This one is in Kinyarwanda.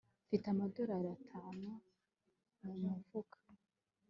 mfite amadorari atanu mu mufuka